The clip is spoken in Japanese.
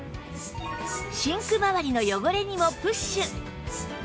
シンクまわりの汚れにもプッシュ